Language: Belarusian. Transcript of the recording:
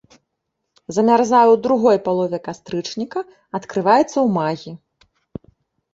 Замярзае ў другой палове кастрычніка, адкрываецца ў маі.